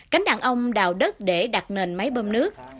cánh đàn ông đào đất để đặt nền máy bơm nước